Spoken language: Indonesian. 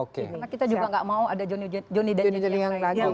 karena kita juga gak mau ada jonny dan nya yang berlagu